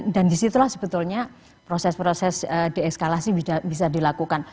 dan disitulah sebetulnya proses proses deeskalasi bisa dilakukan